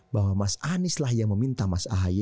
bahwa mas anies lah yang meminta mas ahaye